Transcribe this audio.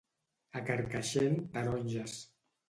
A Carcaixent, taronges.